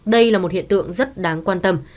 đây là một hiện tượng rất đáng quan tâm